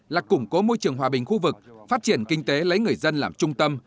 là củng cố môi trường hòa bình khu vực phát triển kinh tế lấy người dân làm trung tâm